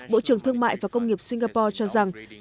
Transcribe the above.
bộ trưởng thương mại và công nghiệp singapore cho rằng